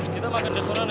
kita makan di restoran ya